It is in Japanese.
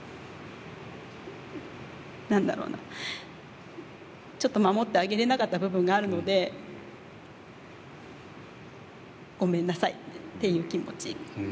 何だろうなちょっと守ってあげられなかった部分があるのでごめんなさいっていう気持ち。